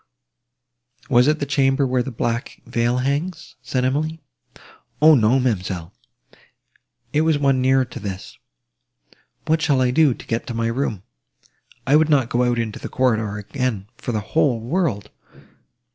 "Was it the chamber where the black veil hangs?" said Emily. "O! no, ma'amselle, it was one nearer to this. What shall I do, to get to my room? I would not go out into the corridor again, for the whole world!"